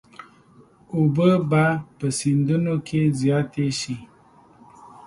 اوبه به په سیندونو کې زیاتې شي.